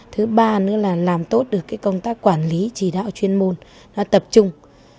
thứ ba nữa là làm tốt được công tác quản lý chỉ đạo chuyên môn tập trung